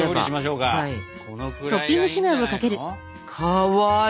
かわいい！